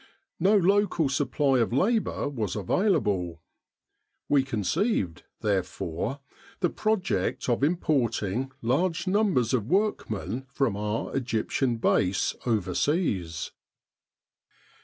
No local supply of labour was available. We conceived, therefore, the project of importing large numbers of workmen from our Egyptian Base overseas.